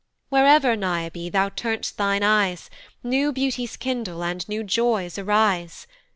Wherever, Niobe, thou turn'st thine eyes, New beauties kindle, and new joys arise!